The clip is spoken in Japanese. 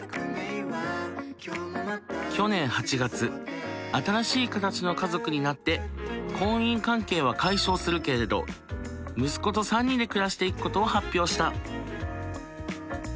去年８月新しい形の家族になって婚姻関係は解消するけれど息子と３人で暮らしていくことを発表した。